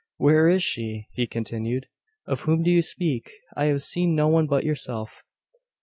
"Where is she?" he continued. "Of whom do you speak? I have seen no one but yourself."